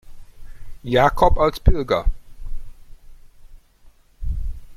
Jakob als Pilger.